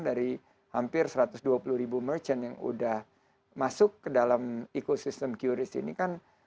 dari hampir satu ratus dua puluh ribu merchant yang udah masuk ke dalam ekosistem qris ini kan